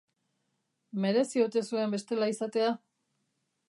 Merezi ote zuen bestela izatea?